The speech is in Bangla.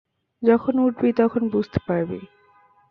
যখন উঠবি তখন বুঝতে পারবি।